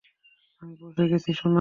আমি পৌঁছে গেছি, সোনা!